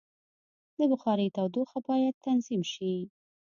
د بخارۍ تودوخه باید تنظیم شي.